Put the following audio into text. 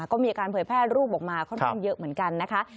ก็มีการเผยแพร่รูปออกมาค่อนข้างเยอะเหมือนกันนะคะ